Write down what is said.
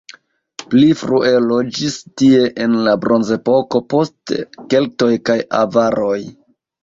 Pli frue loĝis tie en la bronzepoko, poste keltoj kaj avaroj.